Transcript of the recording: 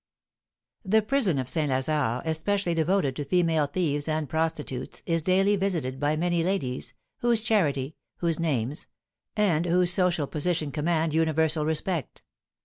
The prison of St. Lazare, especially devoted to female thieves and prostitutes, is daily visited by many ladies, whose charity, whose names, and whose social position command universal respect.